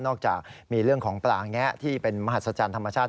จากมีเรื่องของปลาแงะที่เป็นมหัศจรรย์ธรรมชาติ